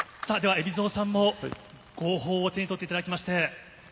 海老蔵さんも号砲を手にとっていただいて。